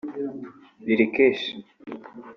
Lil Kesh